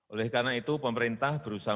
oleh karena itu pemerintah berusaha